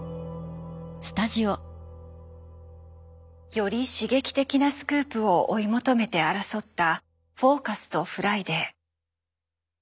より刺激的なスクープを追い求めて争った「フォーカス」と「フライデー」。